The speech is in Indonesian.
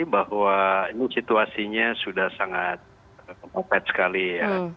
bahwa ini situasinya sudah sangat mepet sekali ya